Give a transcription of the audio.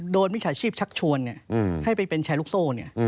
มิจฉาชีพชักชวนให้ไปเป็นแชร์ลูกโซ่